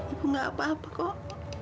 ibu gak apa apa kok